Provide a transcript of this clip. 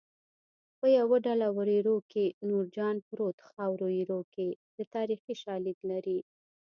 په یوه ډله وریرو کې نورجان پروت خاورو ایرو کې تاریخي شالید لري